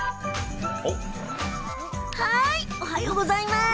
おはようございます。